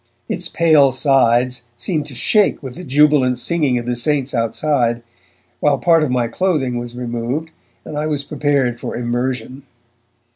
Its pale sides seemed to shake with the jubilant singing of the saints outside, while part of my clothing was removed and I was prepared for immersion.